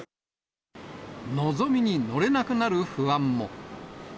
のぞみに乗れなくなる不安も。